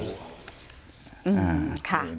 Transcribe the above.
อืมค่ะ